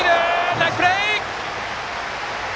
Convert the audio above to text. ナイスプレー！